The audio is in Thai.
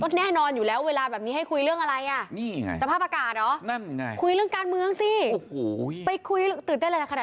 ก็แน่นอนอยู่แล้วเวลาแบบนี้ให้คุยเรื่องอะไรอะ